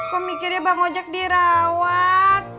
kok mikirnya bang ojek dirawat